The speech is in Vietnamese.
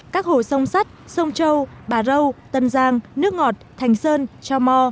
các hồ sông sắt sông châu bà râu tân giang nước ngọt thành sơn cho mò